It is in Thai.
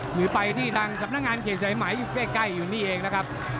หรือไปที่ทางสำนักงานเขตสายไหมอยู่ใกล้อยู่นี่เองนะครับ